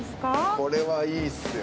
これはいいっすよ。